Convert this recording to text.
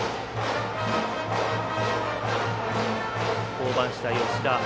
降板した吉田。